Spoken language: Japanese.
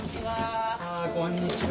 こんにちは。